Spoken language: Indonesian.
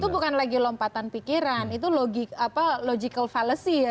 itu bukan lagi lompatan pikiran itu logik apa logical fallacy ya